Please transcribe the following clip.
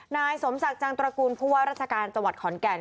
นายสมศักดิ์จังตระกูลผู้ว่าราชการจังหวัดขอนแก่น